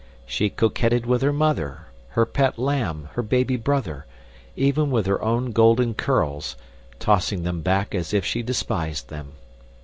She coquetted with her mother, her pet lamb, her baby brother, even with her own golden curls tossing them back as if she despised them.